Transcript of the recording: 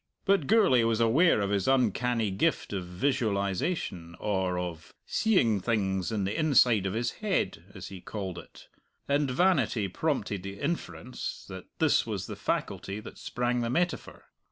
But Gourlay was aware of his uncanny gift of visualization or of "seeing things in the inside of his head," as he called it and vanity prompted the inference, that this was the faculty that sprang the metaphor.